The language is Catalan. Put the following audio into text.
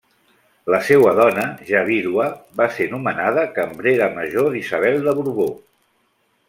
La seua dona, ja vídua, va ser nomenada cambrera major d'Isabel de Borbó.